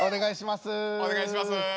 お願いします。